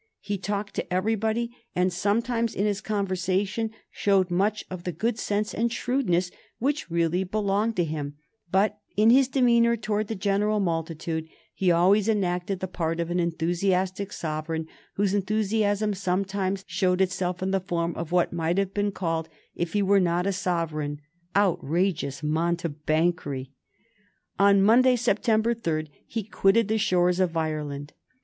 He talked to everybody, and sometimes in his conversation showed much of the good sense and shrewdness which really belonged to him, but in his demeanor towards the general multitude he always enacted the part of an enthusiastic Sovereign whose enthusiasm sometimes showed itself in the form of what might have been called, if he were not a Sovereign, outrageous mountebankcry. On Monday, September 3, he quitted the shores of Ireland.